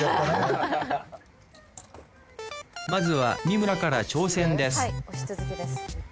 まずは三村から挑戦です